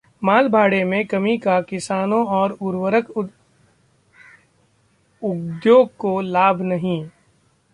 मालभाड़े में कमी का किसानों और उर्वरक उघोग को लाभ नहीं